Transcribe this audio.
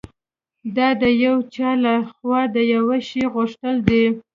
دا د یو چا لهخوا د یوه شي غوښتل دي